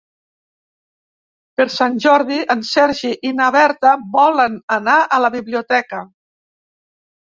Per Sant Jordi en Sergi i na Berta volen anar a la biblioteca.